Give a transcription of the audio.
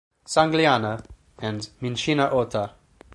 Sangliana", and "Minchina Ota".